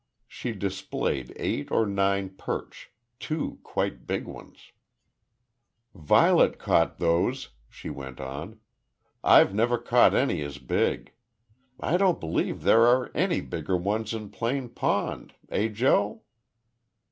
She displayed eight or nine perch two quite big ones. "Violet caught those," she went on. "I've never caught any as big. I don't believe there are any bigger ones in Plane Pond; eh, Joe."